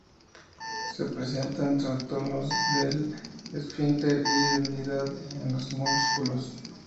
Se presentan trastornos del esfínter y debilidad en los músculos..